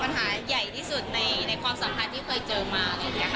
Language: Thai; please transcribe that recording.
ปัญหาใหญ่ที่สุดในความสัมภาษณ์ที่เคยเจอมาเลยค่ะ